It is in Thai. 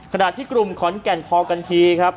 ขณะที่กลุ่มขอนแก่นพอกันทีครับ